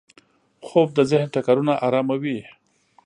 خوب د ذهن ټکرونه اراموي